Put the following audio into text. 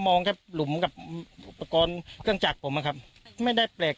มองแค่หลุมกับอุปกรณ์เครื่องจักรผมอะครับไม่ได้แปลก